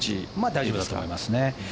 大丈夫だと思いますね。